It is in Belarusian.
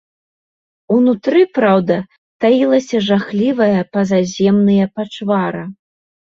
Унутры, праўда, таілася жахлівае пазаземныя пачвара.